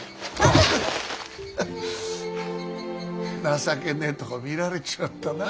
情けねえとこ見られちまったな。